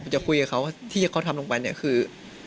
จะคุยกับเขาที่เขาทำลงไปเนี่ยคือ